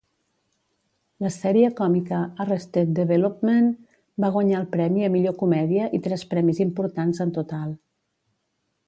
La sèrie còmica "Arrested Development" va guanyar el premi a millor comèdia i tres premis importants en total.